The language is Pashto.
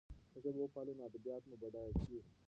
که ژبه وپالو نو ادبیات مو بډایه کېږي.